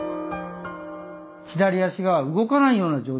左脚が動かないような状態になって。